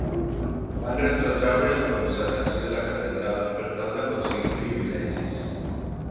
Van retrotreure la consagració de la catedral per tal d'aconseguir privilegis.